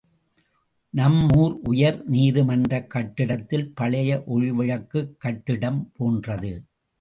நம் ஊர் உயர் நீதி மன்றக் கட்டிடத்தில் பழைய ஒளிவிளக்குக் கட்டிடம் போன்றது.